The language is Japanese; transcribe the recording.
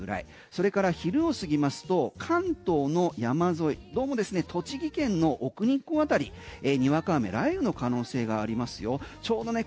それから昼を過ぎますと関東の山沿いどうも栃木県の奥日光辺りにわか雨、雷雨の可能性がありますよ。